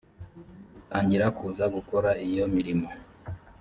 bitangira kuza gukora iyo mirimo